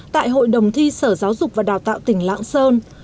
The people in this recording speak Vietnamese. tại hội đồng thi sở giáo dục và đào tạo tỉnh lạng sơn